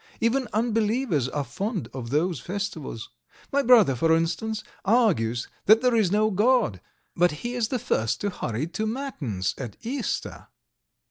Even unbelievers are fond of those festivals. My brother, for instance, argues that there is no God, but he is the first to hurry to Matins at Easter."